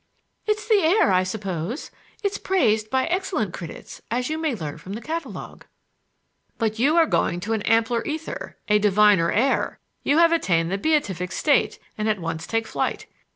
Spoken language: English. "It's the air, I suppose. It's praised by excellent critics, as you may learn from the catalogue." "But you are going to an ampler ether, a diviner air. You have attained the beatific state and at once take flight.